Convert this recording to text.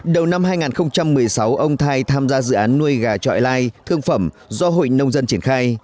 đầu năm hai nghìn một mươi sáu ông thai tham gia dự án nuôi gà trọi lai thương phẩm do hội nông dân triển khai